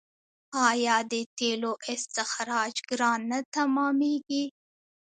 آیا د تیلو استخراج ګران نه تمامېږي؟